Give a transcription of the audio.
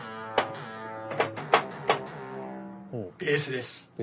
ベースです。